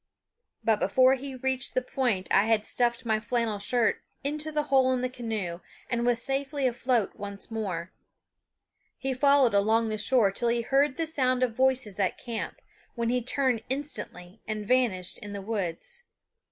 But before he reached the point I had stuffed my flannel shirt into the hole in the canoe and was safely afloat once more. He followed along the shore till he heard the sound of voices at camp, when he turned instantly and vanished in the woods.